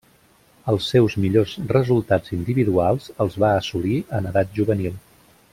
Els seus millors resultats individuals els va assolir en edat juvenil.